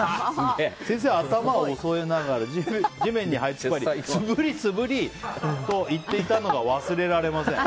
先生は頭を押さえながら地面にはいつくばり素振り素振り！と言っていたのが忘れられません。